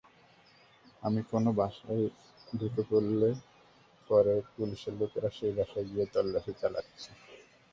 আমি কোনো বাসায় ঢুকলে পরে পুলিশের লোকেরা সেই বাসায় গিয়ে তল্লাশি চালাচ্ছে।